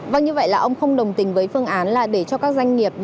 vâng như vậy là ông không đồng tình với phương án là để cho các doanh nghiệp